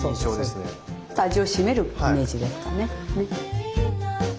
ちょっと味を締めるイメージですかね。